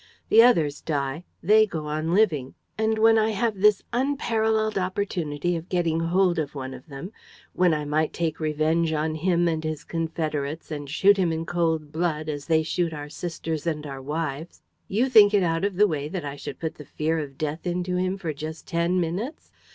The others die. They go on living. And, when I have this unparalleled opportunity of getting hold of one of them, when I might take revenge on him and his confederates and shoot him in cold blood, as they shoot our sisters and our wives, you think it out of the way that I should put the fear of death into him for just ten minutes!